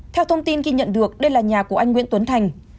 theo thông tin ghi nhận được đây là nhà của anh nguyễn tuấn thành